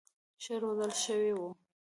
ښه روزل شوي وو.